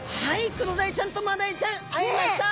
クロダイちゃんとマダイちゃん会えました！